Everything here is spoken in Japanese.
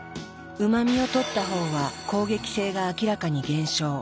うま味をとった方は攻撃性が明らかに減少。